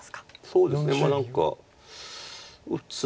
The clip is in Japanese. そうですね何か打つところ。